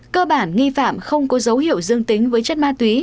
cơ bản nghi phạm không có dấu hiệu dương tính với chất ma túy